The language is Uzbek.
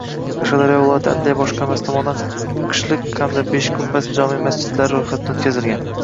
Qashqadaryo viloyati Adliya boshqarmasi tomonidan Qishliq hamda Beshgumbaz jome masjidlari ro‘yxatdan o‘tkazilgan